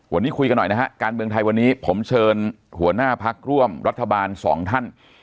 วันนี้คุยกันหน่อยนะฮะการเมืองไทยวันนี้ผมเชิญหัวหน้าพักร่วมรัฐบาลสองท่าน